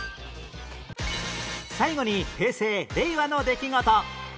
最後に平成・令和の出来事